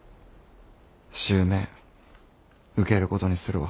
襲名受けることにするわ。